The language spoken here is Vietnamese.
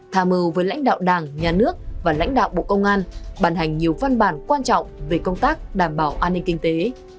tham mưu với lãnh đạo đảng nhà nước và lãnh đạo bộ công an bàn hành nhiều văn bản quan trọng về công tác đảm bảo an ninh kinh tế